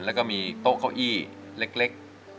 แล้วก็มีโต๊ะเก้าอี้เล็ก